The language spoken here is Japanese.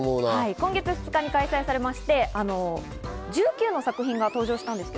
今月２日に開催されて１９の作品が登場したんです。